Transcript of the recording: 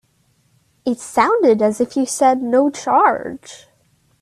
It sounded as if you said no charge.